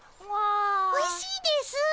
おいしいですぅ。